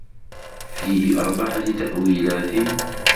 فِيهِ أَرْبَعَةِ تَأْوِيلَاتٍ